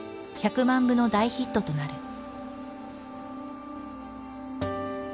１００万部の大ヒットとなる。